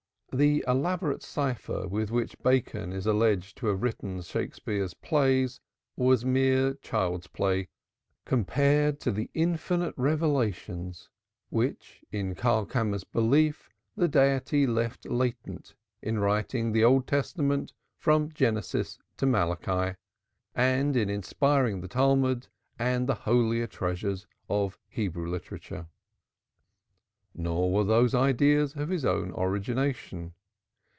The elaborate cipher with which Bacon is alleged to have written Shakspeare's plays was mere child's play compared with the infinite revelations which in Karlkammer's belief the Deity left latent in writing the Old Testament from Genesis to Malachi, and in inspiring the Talmud and the holier treasures of Hebrew literature. Nor were these ideas of his own origination.